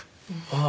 ああ。